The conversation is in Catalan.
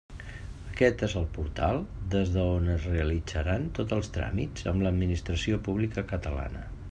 Aquest és el portal des d'on es realitzaran tots els tràmits amb l'administració pública catalana.